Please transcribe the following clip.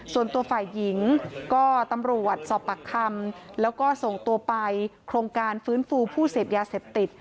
ส่วนตัวฝ่ายหญิงก็ตำรวจสอบปากคำแล้วก็ส่งตัวไปโครงการฟื้นฟูผู้เสพยาเสพติด